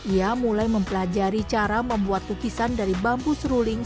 ia mulai mempelajari cara membuat lukisan dari bambu seruling